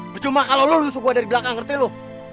bercuma kalo lu nusuk gua dari belakang ngerti lu